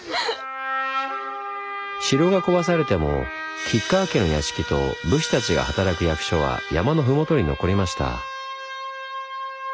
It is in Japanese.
城が壊されても吉川家の屋敷と武士たちが働く役所は山のふもとに残りました。